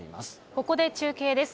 ここで中継です。